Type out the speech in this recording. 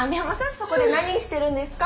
そこで何してるんですか？